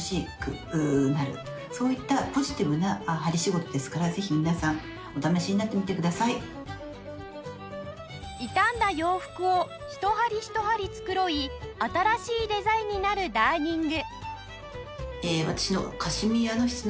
こちらダーニングは傷んだ洋服を一針一針繕い新しいデザインになるダーニング